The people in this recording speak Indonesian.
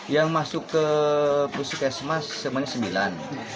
yang masuk ke puskesmas semuanya sembilan